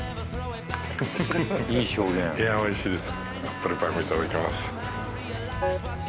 いやおいしいです